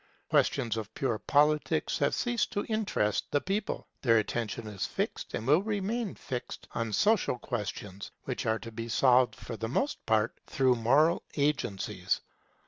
Questions of pure politics have ceased to interest the people; their attention is fixed, and will remain fixed, on social questions, which are to be solved for the most part through moral agencies.